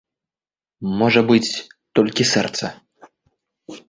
Можа быць, толькі сэрца.